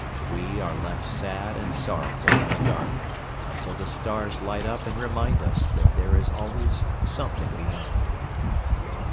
We are left sad and sorrowful in the dark, until the stars light up and remind us that there is always something beyond.